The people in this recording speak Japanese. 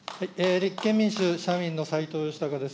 立憲民主、社民の斎藤嘉隆です。